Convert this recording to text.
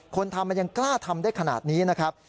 คนทำมันยังกล้าทำได้ขนาดนี้นะครับ